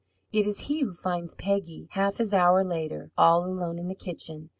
It is he who finds Peggy, half as hour later, all alone in the kitchen.